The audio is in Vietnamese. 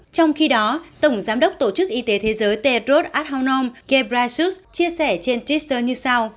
trong khi đó tổng giám đốc tổ chức y tế thế giới tedros adhanom ghebreyesus chia sẻ trên twitter như sau